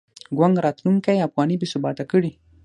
ګونګ راتلونکی افغانۍ بې ثباته کړې.